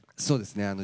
そうですね